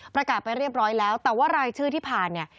ประกาศไปเรียบร้อยแล้วแต่ว่ารายชื่อที่ผ่าน